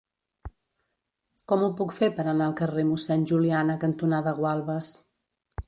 Com ho puc fer per anar al carrer Mossèn Juliana cantonada Gualbes?